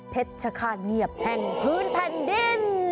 ชะคาเงียบแห่งพื้นแผ่นดิน